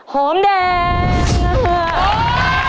หอมแดง